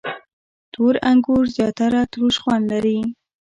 • تور انګور زیاتره تروش خوند لري.